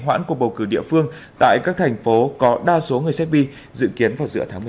hoãn cuộc bầu cử địa phương tại các thành phố có đa số người serbi dự kiến vào giữa tháng một mươi một